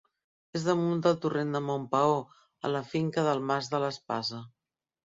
És damunt del torrent de Montpaó, a la finca del Mas de l'Espasa.